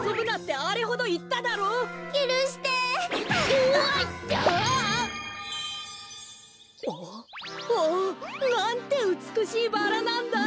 あっおお！なんてうつくしいバラなんだ！